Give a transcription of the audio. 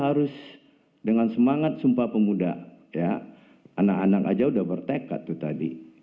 anak anak aja udah bertekad tuh tadi